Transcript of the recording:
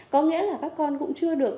có nghĩa là các con cũng chưa được